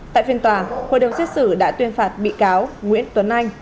tại phiên tòa hội đồng xét xử đã tuyên phạt bị cáo nguyễn tuấn anh